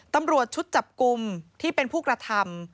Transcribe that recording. ตำรวจชุดจับกลุ่มที่เป็นผู้กระทำ